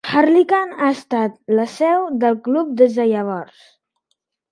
Harlyckan ha estat la seu del club des de llavors.